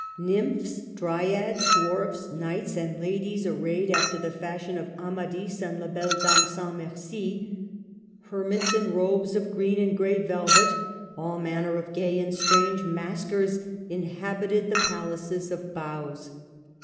Nymphs, dryads, dwarfs, knights, and ladies ar rayed after the fashion of Amadis and La Belle Dam.e sans Merci, hermits in robes of green and gray velvet, all manner of gay and strange maskers inhabited the palaces of boughs.